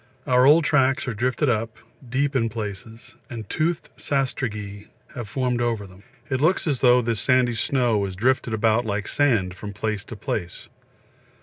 Our old tracks are drifted up, deep in places, and toothed sastrugi have formed over them. It looks as though this sandy snow was drifted about like sand from place to place.